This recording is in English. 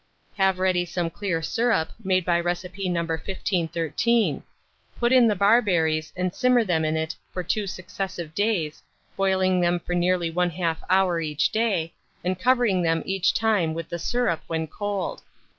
Have ready some clear syrup, made by recipe No. 1513; put in the barberries, and simmer them in it for 2 successive days, boiling them for nearly 1/2 hour each day, and covering them each time with the syrup when cold.